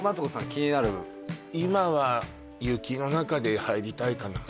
気になる今は雪の中で入りたいかな